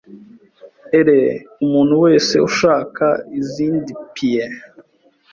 ere umuntu wese ushaka izindi pie?